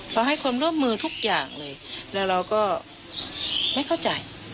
ให้ความร่วมมือทุกอย่างเลยแล้วเราก็ไม่เข้าใจ